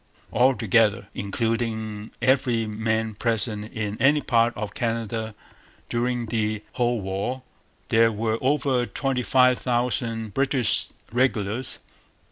Altogether, including every man present in any part of Canada during the whole war, there were over twenty five thousand British regulars.